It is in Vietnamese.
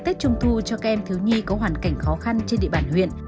tết trung thu cho các em thiếu nhi có hoàn cảnh khó khăn trên địa bàn huyện